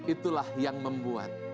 itulah yang membuat